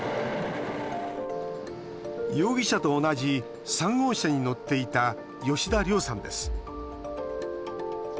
容疑者と同じ３号車に乗っていた吉田涼さんです。